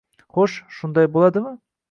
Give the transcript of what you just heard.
- Xo'sh, shunday bo'ladimi?